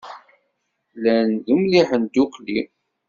Llan d umliḥen ddukkli.